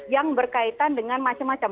yang berkaitan dengan macam macam